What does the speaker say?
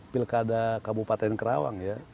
pilkada kabupaten kerawang ya